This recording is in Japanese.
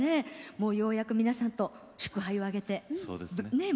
もうようやく皆さんと祝杯を挙げてねえ